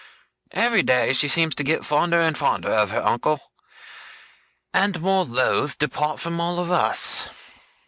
Every day she seems to get fonder and fonder of her uncle, and more loth to part from all of us.